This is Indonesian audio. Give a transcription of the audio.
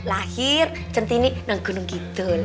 lahir centini di gunung kitul